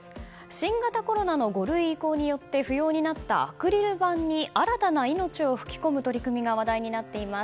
新型コロナの５類移行によって不要になったアクリル板に新たな命を吹き込む取り組みが話題になっています。